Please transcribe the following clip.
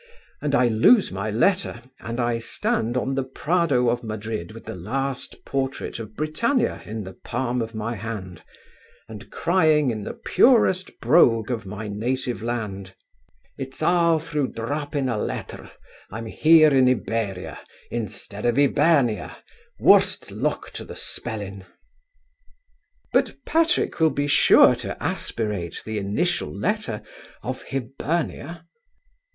And I lose my letter, and I stand on the Prado of Madrid with the last portrait of Britannia in the palm of my hand, and crying in the purest brogue of my native land: 'It's all through dropping a letter I'm here in Iberia instead of Hibernia, worse luck to the spelling!'" "But Patrick will be sure to aspirate the initial letter of Hibernia."